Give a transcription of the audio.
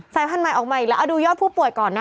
พันธุ์ใหม่ออกมาอีกแล้วเอาดูยอดผู้ป่วยก่อนนะ